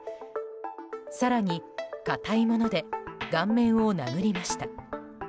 更に、硬いもので顔面を殴りました。